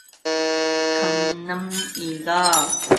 간난이가 선비 어깨에 올라서자 선비는 담을 붙들고 일어나려 하였다.